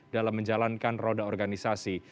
dalam menjalankan roda organisasi